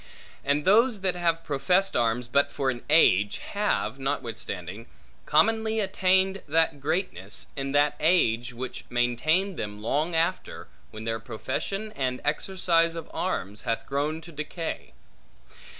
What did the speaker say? And those that have professed arms but for an age, have, notwithstanding, commonly attained that greatness, in that age, which maintained them long after, when their profession and exercise of arms hath grown to decay.